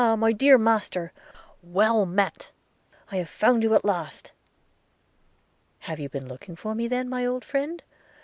my dear master! well met: I have found you at last.' 'Have you been looking for me then, my old friend?'